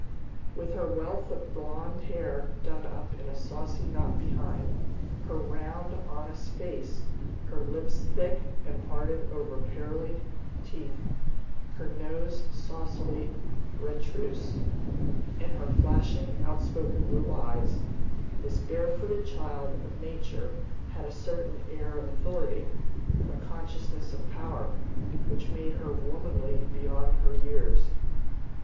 With her wealth of blond hair done up in a saucy knot behind; her round, honest face; her lips thick, and parted over pearly teeth; her nose saucily retrousse; and her flashing, outspoken blue eyes, this barefooted child of Nature had a certain air of authority, a consciousness of power, which made her womanly beyond her years.